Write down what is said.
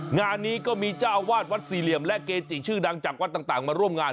งานนี้ก็มีเจ้าอาวาสวัดสี่เหลี่ยมและเกจิชื่อดังจากวัดต่างมาร่วมงาน